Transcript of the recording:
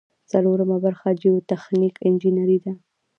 څلورمه برخه جیوتخنیک انجنیری ده.